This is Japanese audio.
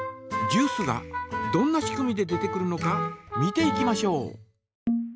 ジュースがどんな仕組みで出てくるのか見ていきましょう。